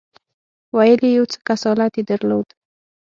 ویل یې یو څه کسالت یې درلود.